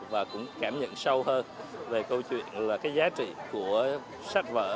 và cũng cảm nhận sâu hơn về câu chuyện là cái giá trị của sách vở